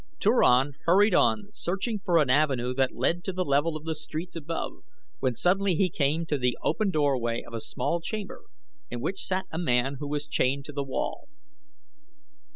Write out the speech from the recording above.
Turan hurried on searching for an avenue that led to the level of the streets above when suddenly he came to the open doorway of a small chamber in which sat a man who was chained to the wall.